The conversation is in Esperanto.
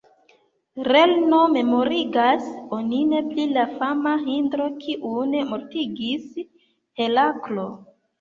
Lerno memorigas onin pri la fama Hidro, kiun mortigis Heraklo.